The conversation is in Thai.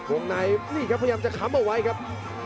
วงในนี่ครับพยายามจะค้ำเอาไว้ครับ